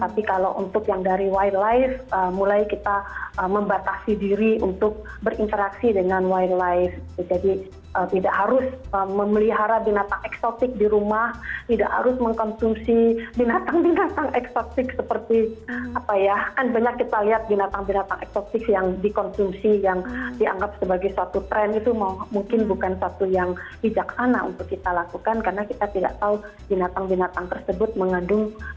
tapi kalau untuk yang dari wildlife mulai kita membatasi diri untuk berinteraksi dengan wildlife jadi tidak harus memelihara binatang eksotik di rumah tidak harus mengkonsumsi binatang binatang eksotik seperti apa ya kan banyak kita lihat binatang binatang eksotik yang dikonsumsi yang dianggap sebagai suatu tren itu mungkin bukan suatu yang bijaksana untuk kita lakukan karena kita tidak tahu binatang binatang tersebut mengandung nyamuk